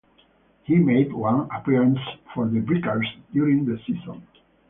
He made one appearance for the Breakers during the season.